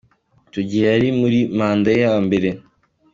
Icyo gihe yari muri manda ye ya mbere.